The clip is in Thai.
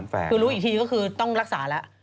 คือรู้อีกทีก็คือต้องรักษาแล้ว